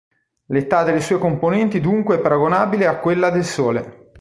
L'età delle sue componenti dunque è paragonabile a quella del Sole.